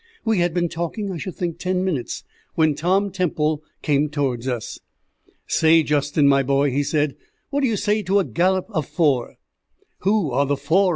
We had been talking I should think ten minutes, when Tom Temple came towards us. "Say, Justin, my boy," he said, "what do you say to a gallop of four?" "Who are the four?"